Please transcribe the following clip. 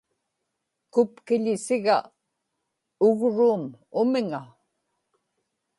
kupkiḷisiga ugruum umiŋa